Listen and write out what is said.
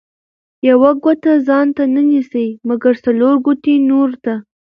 ـ يوه ګوته ځانته نه نيسي، مګر څلور ګوتې نورو ته.